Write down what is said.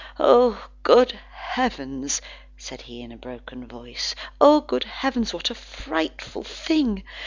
"Ah! good heavens," said he in a broken voice, "ah! good heavens, what a frightful thing!